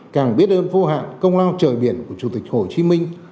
càng biết ơn vô hạn công lao trời biển của chủ tịch hồ chí minh